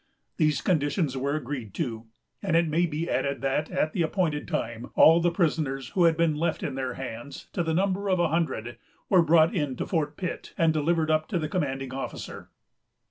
These conditions were agreed to; and it may be added that, at the appointed time, all the prisoners who had been left in their hands, to the number of a hundred, were brought in to Fort Pitt, and delivered up to the commanding officer.